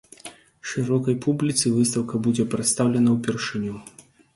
Шырокай публіцы выстаўка будзе прадстаўлена ўпершыню.